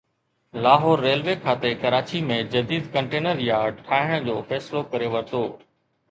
Lahore railway کاتي ڪراچي ۾ جديد container yard ٺاهڻ جو فيصلو ڪري ورتو